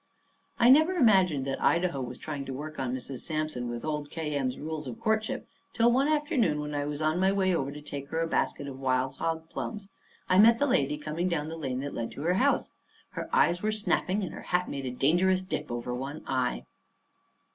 I never imagined that Idaho was trying to work on Mrs. Sampson with old K. M.'s rules of courtship till one afternoon when I was on my way over to take her a basket of wild hog plums. I met the lady coming down the lane that led to her house. Her eyes was snapping, and her hat made a dangerous dip over one eye.